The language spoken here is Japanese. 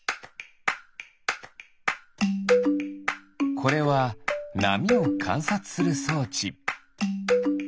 これはなみをかんさつするそうち。